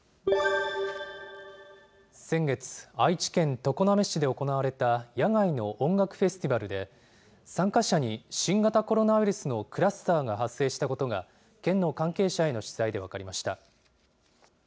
先月、愛知県常滑市で行われた野外の音楽フェスティバルで、参加者に新型コロナウイルスのクラスターが発生したことが、県の関係者への取材で分かりました。